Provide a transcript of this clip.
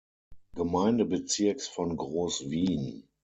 Gemeindebezirks von Groß-Wien.